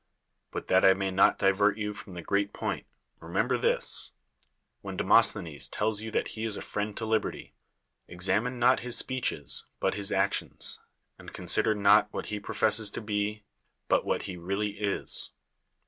But that I may not divi^'t you from the great point, reiTiember this: when Demosthenes tells you that he is a friend to liberty, examine not his speeches, but his actions; and consider not what he professes to be, but what he really is.